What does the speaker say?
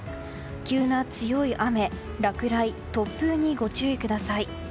急な強い雨、落雷、突風にご注意ください。